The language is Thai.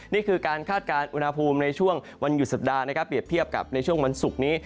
นี่คือการคาดการณ์อุณหภูมิในช่วงวันหยุดสัปดาห์นะครับเปรียบเทียบกับในช่วงวันศุกร์นี้